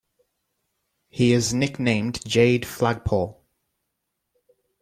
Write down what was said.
He is nicknamed "Jade Flagpole".